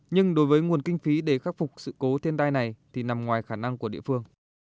nhưng đối với nguồn kinh phí để khắc phục sự cố thiên tai này thì nằm ngoài khả năng của địa phương